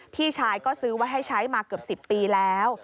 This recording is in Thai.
พี่ชายก็ซื้อไว้ให้ใช้มาเกือบ๑๐ปีแล้ว